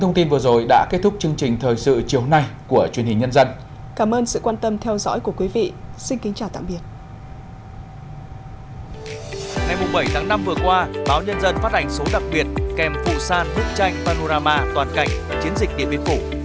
ngày bảy tháng năm vừa qua báo nhân dân phát ảnh số đặc biệt kèm phụ sàn bức tranh panorama toàn cảnh chiến dịch điện biên phủ